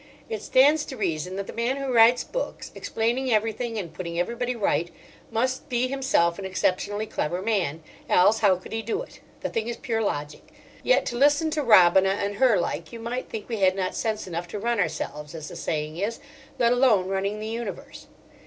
It stands to reason that the man who writes books, explaining everything and putting everybody right, must be himself an exceptionally clever man; else how could he do it! The thing is pure logic. Yet to listen to Robina and her like you might think we had not sense enough to run ourselves, as the saying is—let alone running the universe.